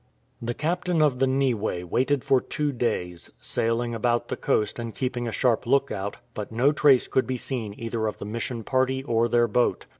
The captain of the Nine waited for two days, sailing about the coast and keeping a sharp look out, but no trace could be seen either of the Mission party or their boat.